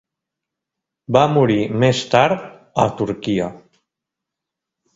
Va morir més tard a Turquia.